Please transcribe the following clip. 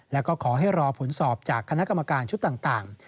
แล้วก็ขอให้รอผลสอบจากคณะกรรมการชุดต่าง